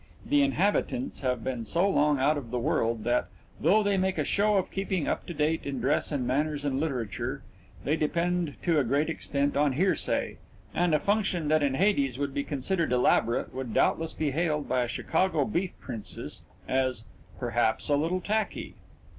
The inhabitants have been so long out of the world that, though they make a show of keeping up to date in dress and manners and literature, they depend to a great extent on hearsay, and a function that in Hades would be considered elaborate would doubtless be hailed by a Chicago beef princess as "perhaps a little tacky."